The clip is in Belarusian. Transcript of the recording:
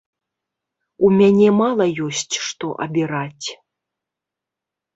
У мяне мала ёсць што абіраць.